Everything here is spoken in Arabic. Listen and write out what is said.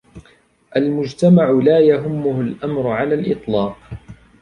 المجتمع لا يهمه الأمر على الإطلاق.